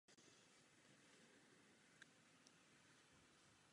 V tentýž den se dozvěděl šťastný ženich oblažující rozhodnutí Márinčino.